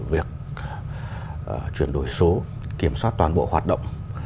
việc chuyển đổi số kiểm soát toàn bộ hoạt động